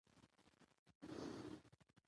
ماشومان د مینې په فضا کې ښه وده کوي